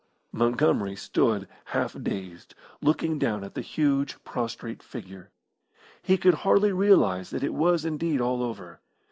Montgomery stood half dazed, looking down at the huge, prostrate figure. He could hardly realise that it was indeed all over.